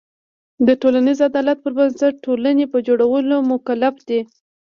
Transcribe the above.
د ټولنیز عدالت پر بنسټ ټولنې په جوړولو مکلف دی.